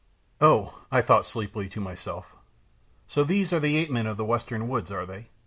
"Oh," I thought sleepily to myself, "so these are the ape men of the western woods, are they?